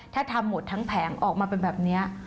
ถ้าทำหมดทั้งแผงออกมาเป็นแบบนี้